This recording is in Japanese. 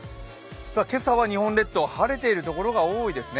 今朝は日本列島、晴れているところが多いですね。